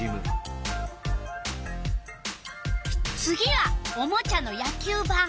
次はおもちゃの野球ばん。